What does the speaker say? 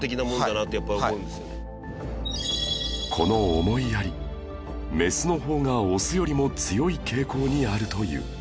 この思いやりメスの方がオスよりも強い傾向にあるという